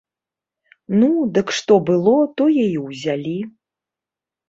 Ну, дык што было, тое і ўзялі.